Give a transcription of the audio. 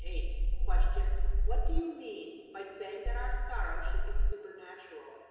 Q. What do you mean by saying that our sorrow should be supernatural?